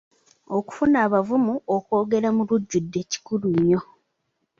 Okufuna obuvumu okwogera mulujudde kikulu nnyo.